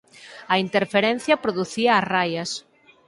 A interferencia producía as raias.